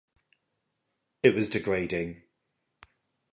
It was degrading.